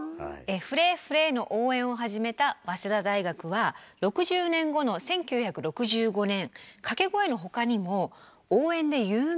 「フレーフレー」の応援を始めた早稲田大学は６０年後の１９６５年掛け声の他にも応援で有名なものを作っています。